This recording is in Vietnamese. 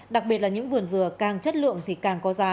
đặc biệt là những vườn dừa càng chất lượng thì càng có giá